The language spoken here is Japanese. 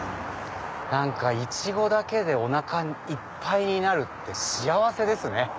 イチゴだけでおなかいっぱいになるって幸せですね。